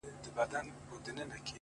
پاگل دي د غم سونډې پر سکروټو ايښي!!